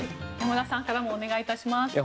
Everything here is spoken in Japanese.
山田さんからもお願いいたします。